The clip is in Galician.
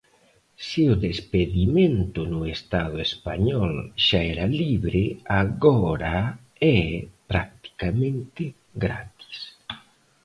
Se o despedimento no Estado español xa era libre, agora é practicamente gratis.